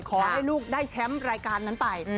ขอให้ลูกได้แชมป์รายการนั้นไป